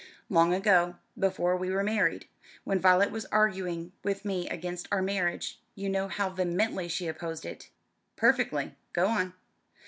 "Long ago before we were married when Violet was arguing with me against our marriage you know how vehemently she opposed it " "Perfectly. Go on."